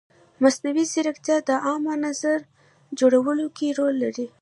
مصنوعي ځیرکتیا د عامه نظر جوړولو کې رول لري.